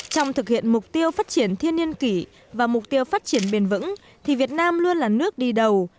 trong thực hiện mục tiêu phát triển thiên niên kỷ và mục tiêu phát triển bền vững thì việt nam luôn là nước đi đầu